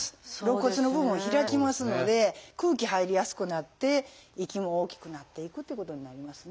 肋骨の部分開きますので空気入りやすくなって息も大きくなっていくっていうことになりますね。